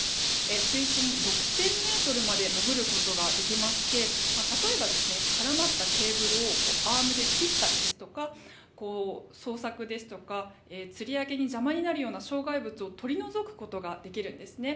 水深６０００ｍまで潜ることができまして例えば、絡まったケーブルをアームで切ったりですとか捜索ですとかつり上げに邪魔になるような障害物を取り除くことができるんですね。